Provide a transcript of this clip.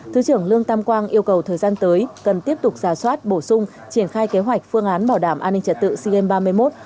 thứ trưởng lương tam quang yêu cầu thời gian tới cần tiếp tục giả soát bổ sung triển khai kế hoạch phương án bảo đảm an ninh trật tự sea games ba mươi một